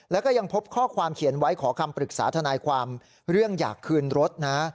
แล้วก็ยังพบข้อความเขียนไว้ขอคำปรึกษาทนายความเรื่องอยากคืนรถนะ